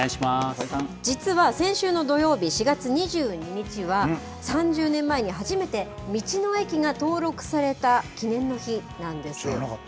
実は先週の土曜日、４月２２日は、３０年前に初めて道の駅が登録された記念の日なんです。